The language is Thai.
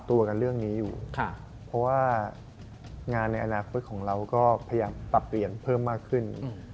ต่อกันเพิ่มมากขึ้น